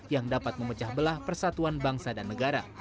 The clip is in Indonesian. yang dapat memecah belah persatuan bangsa dan negara